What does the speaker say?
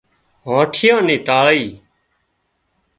هينڏيا نين ٽانڻي